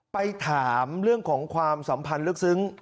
ไปถามเรื่องของความสัมพันธ์ลึกซึ้ง